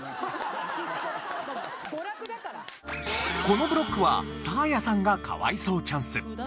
このブロックはサーヤさんが可哀想チャンス。